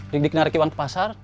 dik dik narik iwan ke pasar